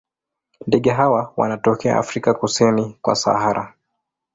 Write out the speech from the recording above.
Ndege hawa wanatokea Afrika kusini mwa Sahara.